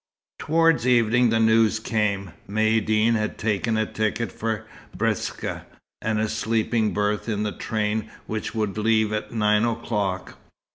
Toward evening the news came. Maïeddine had taken a ticket for Biskra, and a sleeping berth in the train which would leave at nine o'clock.